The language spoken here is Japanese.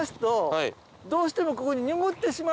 どうしてもここに。